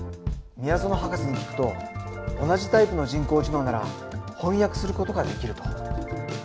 みやぞの博士に聞くと同じタイプの人工知能ならほんやくすることができると。